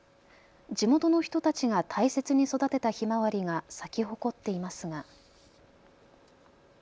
地元の人たちが大切に育てたひまわりが咲き誇っていますが。